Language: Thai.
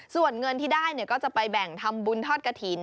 ส่วนเงินที่ได้ก็จะไปแบ่งทำบุญทอดกระถิ่น